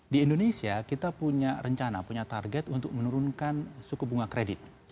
di indonesia kita punya rencana punya target untuk menurunkan suku bunga kredit